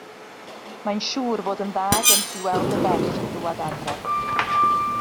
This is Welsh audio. Mae'n siŵr fod yn dda gen ti weld dy ferch yn dŵad adre.